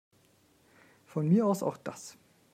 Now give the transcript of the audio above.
Von mir aus auch das.